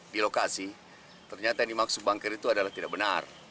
di lokasi ternyata yang dimaksud bunker itu adalah tidak benar